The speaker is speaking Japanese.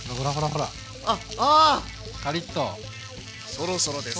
そろそろですか？